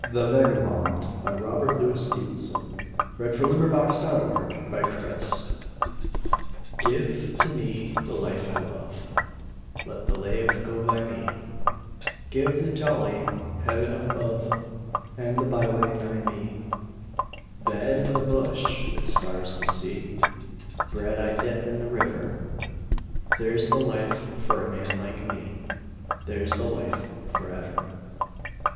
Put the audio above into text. Other Verses by Robert Louis Stevenson ITHE VAGABOND (To an air of Schubert) GIVE to me the life I love, Let the lave go by me, Give the jolly heaven above And the byway nigh me. Bed in the bush with stars to see, Bread I dip in the river There's the life for a man like me, There's the life for ever.